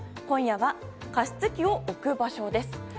今夜は加湿器を置く場所です。